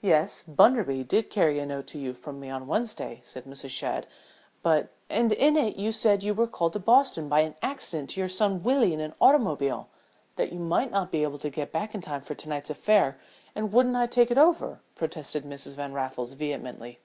"Yes, Bunderby did carry a note to you from me on Wednesday," said Mrs. Shadd. "But " "And in it you said that you were called to Boston by an accident to your son Willie in his automobile: that you might not be able to get back in time for to night's affair and wouldn't I take it over," protested Mrs. Van Raffles, vehemently.